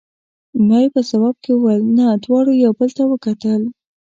ما یې په ځواب کې وویل: نه، دواړو یو بل ته وکتل.